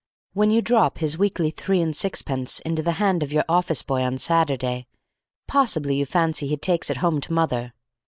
When you drop his weekly three and sixpence into the hand of your office boy on Saturday, possibly you fancy he takes it home to mother.